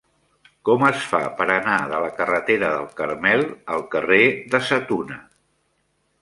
Com es fa per anar de la carretera del Carmel al carrer de Sa Tuna?